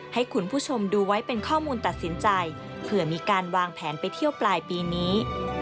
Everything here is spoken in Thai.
ให้คุณผู้ชมดูไว้เป็นข้อมูลตัดสินใจเผื่อมีการวางแผนไปเที่ยวปลายปีนี้